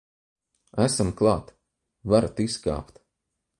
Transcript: Esam klāt, varat izkāpt.